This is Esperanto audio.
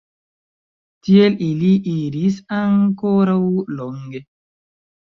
Tiel ili iris ankoraŭ longe.